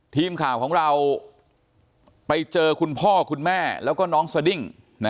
ทีมข่าวของเราไปเจอคุณพ่อคุณแม่แล้วก็น้องสดิ้ง